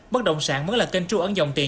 bất động sản vẫn là kênh tru ấn dòng tiền